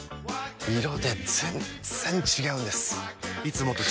色で全然違うんです！